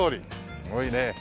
すごいね。